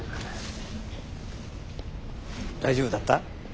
大丈夫だった？